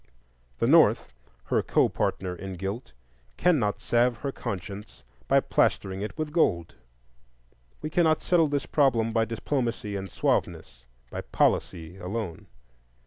The North—her co partner in guilt—cannot salve her conscience by plastering it with gold. We cannot settle this problem by diplomacy and suaveness, by "policy" alone.